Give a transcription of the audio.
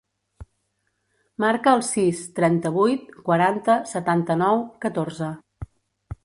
Marca el sis, trenta-vuit, quaranta, setanta-nou, catorze.